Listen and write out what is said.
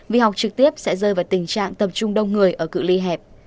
vì học trực tiếp sẽ rơi vào tình trạng tập trung đông người ở cự li hẹp